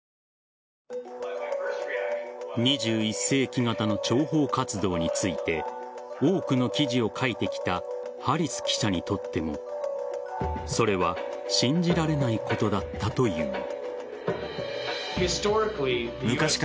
２１世紀型の諜報活動について多くの記事を書いてきたハリス記者にとってもそれは信じられないことだったという。